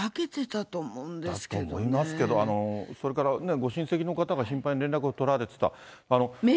だと思いますけど、それから、ね、ご親戚の方が頻繁に連絡を取られてた。